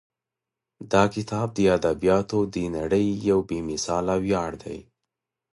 دا کتاب د ادبیاتو د نړۍ یو بې مثاله ویاړ دی.